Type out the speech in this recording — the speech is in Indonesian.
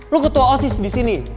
lu ketua osis disini